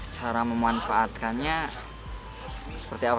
cara memanfaatkannya seperti apa